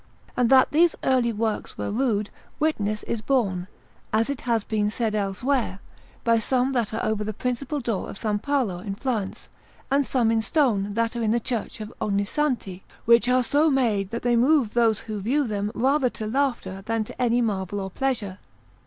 And that these early works were rude, witness is borne, as it has been said elsewhere, by some that are over the principal door of S. Paolo in Florence and some in stone that are in the Church of Ognissanti, which are so made that they move those who view them rather to laughter than to any marvel or pleasure.